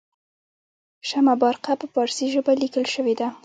شمه بارقه په پارسي ژبه لیکل شوې ده.